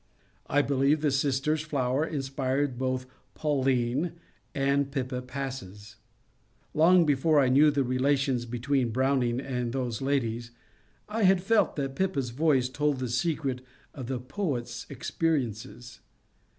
I believe the sisters Flower inspired both ^^ Pauline " and ^^ Pippa Passes." Long before I knew the relations between Browning and those ladies, I had felt that Pippa's voice told the secret of the poet's experiences.